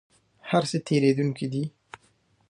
هر څه تیریدونکي دي؟